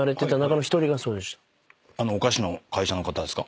あのお菓子の会社の方ですか？